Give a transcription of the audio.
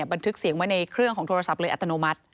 บันทึกเสียงไว้ในเครื่องของโทรศัพท์เลยอัตโนมัติ